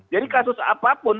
jadi kasus apapun